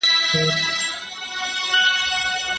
سياستوالو د ټولنيزو ځواکونو ګټي خوندي کړې.